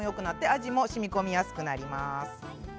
味も、しみこみやすくなります。